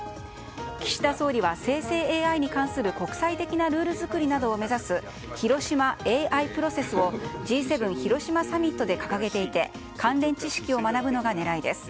岸田総理は生成ＡＩに関する国際的なルール作りなどを目指す広島ＡＩプロセスをＧ７広島サミットで掲げていて関連知識を学ぶのが狙いです。